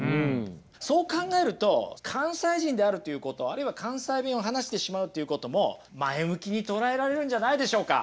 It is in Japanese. そう考えると関西人であるということあるいは関西弁を話してしまうっていうことも前向きに捉えられるんじゃないでしょうか。